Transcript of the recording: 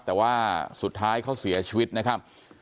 แต่ว่าสุดท้ายเขาเสียชีวิตนะครับ